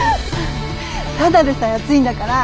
ただでさえ暑いんだから！